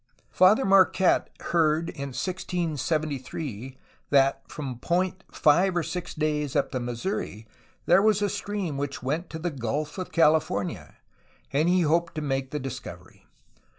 Father Marquette heard in 1673 that from a point five or six days up the Missouri there was a stream which went to the Gulf of California, and he hoped to make the discovery.